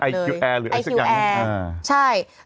ไอฮิวแอร์หรือไอฮิวแอร์ใช่ไอฮิวแอร์หรือไอฮิวแอร์